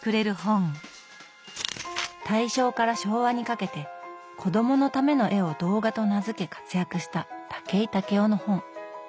大正から昭和にかけて子供のための絵を「童画」と名付け活躍した武井武雄の本。